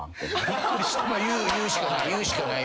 言うしかない。